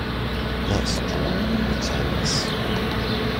Let’s drop the pretence